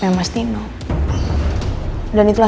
bang dataset gitu ya